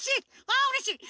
あうれしい！